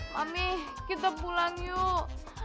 mami kita pulang yuk